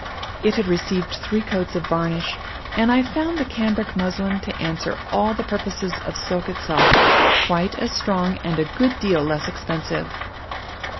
It had received three coats of varnish, and I found the cambric muslin to answer all the purposes of silk itself, quite as strong and a good deal less expensive.